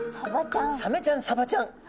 サメちゃんサバちゃん。